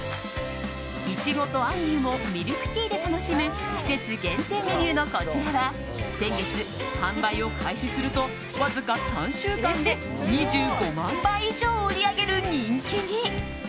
いちごと杏仁をミルクティーで楽しむ季節限定メニューのこちらは先月、販売を開始するとわずか３週間で２５万杯以上を売り上げる人気に。